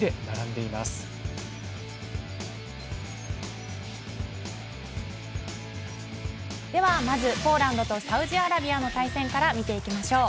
ではまずポーランドとサウジアラビアの対戦から見ていきましょう。